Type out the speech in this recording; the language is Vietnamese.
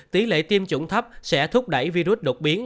tỷ lệ tiêm chủng thấp sẽ thúc đẩy virus đột biến